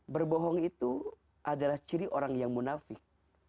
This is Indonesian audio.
berbohong itu adalah ciri orang yang munafik